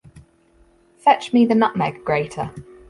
Fetch me the nutmeg-grater.